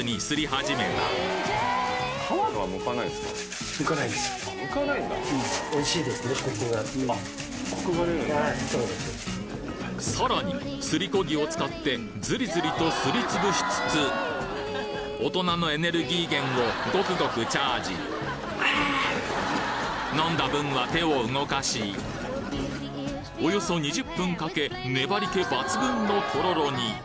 はいそうです。さらにすりこぎを使ってずりずりとすり潰しつつ大人のエネルギー源をゴクゴクチャージ飲んだ分は手を動かしおよそ２０分かけ粘り気抜群のとろろに！